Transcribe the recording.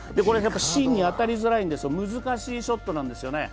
芯に当たりづらい難しいショットなんですよね。